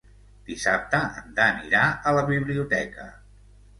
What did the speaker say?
Dissabte en Dan irà a la biblioteca.